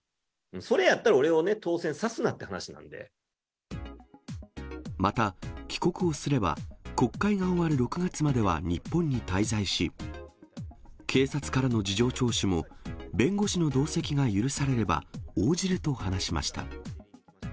それやったら、俺をね、また、帰国をすれば、国会が終わる６月までは日本に滞在し、警察からの事情聴取も、弁護士の同席が許されれば応じると話しました。